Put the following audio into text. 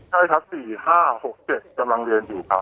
ใช่ครับ๔๕๖๗กำลังเรียนอยู่ครับ